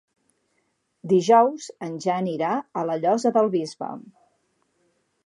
Dijous en Jan irà a la Llosa del Bisbe.